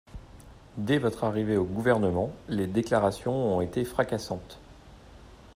Dès votre arrivée au Gouvernement, les déclarations ont été fracassantes.